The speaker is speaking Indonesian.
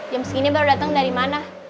jam segini baru datang dari mana